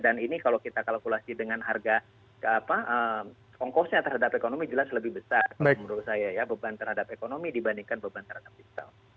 dan ini kalau kita kalkulasi dengan harga kongkosnya terhadap ekonomi jelas lebih besar menurut saya ya beban terhadap ekonomi dibandingkan beban terhadap digital